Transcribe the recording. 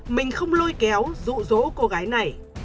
mình không lôi kéo rụ rỗ cô gái này